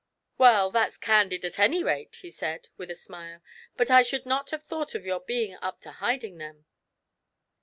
"Well, that's candid, at any rate," he said, with a smile ;" but I should not have thought of your being up to hiding them."